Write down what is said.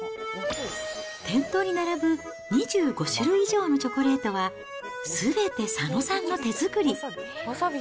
店頭に並ぶ２５種類以上のチョコレートは、すべて佐野さんの手作り。